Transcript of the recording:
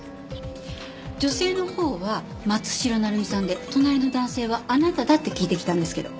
女性のほうは松代成実さんで隣の男性はあなただって聞いてきたんですけど。